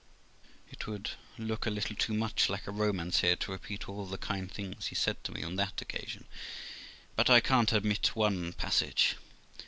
It would look a little too much like a romance here to repeat all the kind things he said to me on that occasion, but I can't omit one passage.